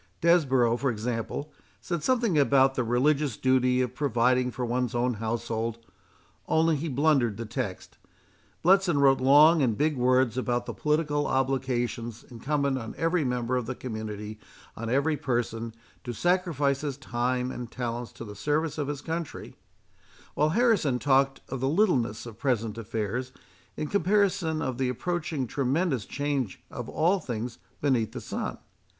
Desborough, for example, said something about the religious duty of providing for one's own household, only he blundered the text. Bletson wrote long and big words about the political obligation incumbent on every member of the community, on every person, to sacrifice his time and talents to the service of his country; while Harrison talked of the littleness of present affairs, in comparison of the approaching tremendous change of all things beneath the sun.